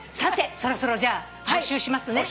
そろそろじゃあ募集しますね。